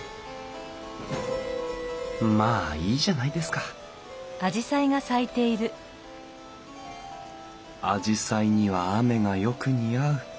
まあいいじゃないですかアジサイには雨がよく似合う。